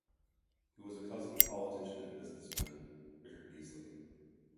He was a cousin of politician and businessman Richard Beasley.